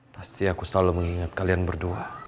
pasti aku selalu mengingat kalian berdua